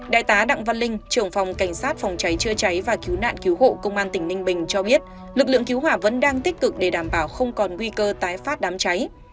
đại tá đặng văn linh trưởng phòng cảnh sát phòng cháy chữa cháy và cứu nạn cứu hộ công an tỉnh ninh bình cho biết lực lượng cứu hỏa vẫn đang tích cực để đảm bảo không còn nguy cơ tái phát đám cháy